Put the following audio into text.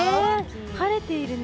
晴れているね。